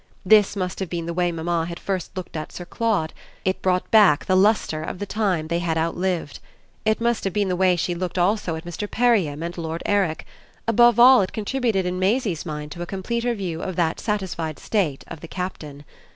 This must have been the way mamma had first looked at Sir Claude; it brought back the lustre of the time they had outlived. It must have been the way she looked also at Mr. Perriam and Lord Eric; above all it contributed in Maisie's mind to a completer view of that satisfied state of the Captain.